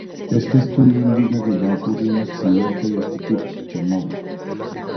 Este estudio indica que ya ocurrió un accidente de este tipo: Chernóbil.